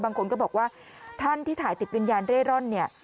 บางคนก็บอกว่าท่านที่ถ่ายติดวิญญาณเร่ร่อนเนี่ย